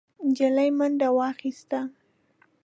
نجلۍ منډه واخيسته،